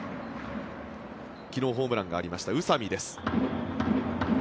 昨日、ホームランがありました宇佐見です。